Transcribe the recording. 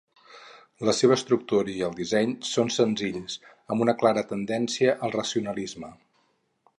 La seva estructura i el disseny són senzills, amb una clara tendència al racionalisme.